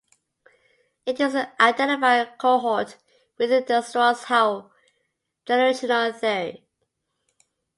It is an identified cohort within the Strauss-Howe generational theory.